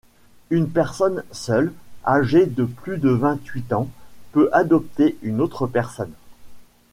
Une personne seule, âgée de plus de vingt-huit ans, peut adopter une autre personne.